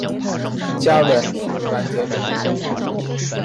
家纹是丸桔梗。